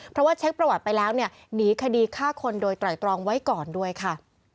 เพราะว่าเช็คประวัติไปแล้วเนี่ยหนีคดีฆ่าคนโดยไตรตรองไว้ก่อนด้วยค่ะ